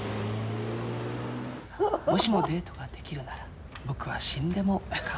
「もしもデートができるなら僕は死んでもかまわない。